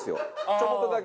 ちょこっとだけ。